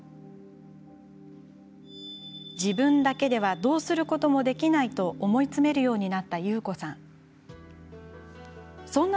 自分だけではどうすることもできないと思い詰めるようになったユウコさん。